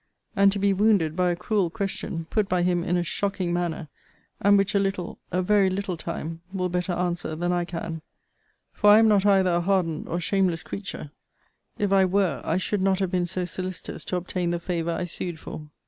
and to be wounded by a cruel question, put by him in a shocking manner: and which a little, a very little time, will better answer than I can: for I am not either a hardened or shameless creature: if I were, I should not have been so solicitous to obtain the favour I sued for.